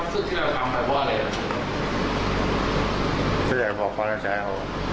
ถูกต้องทำการเข้าข้างแล้ว